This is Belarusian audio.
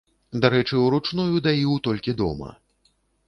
Дарэчы, уручную даіў толькі дома.